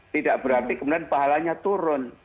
tidak berarti kemudian pahalanya turun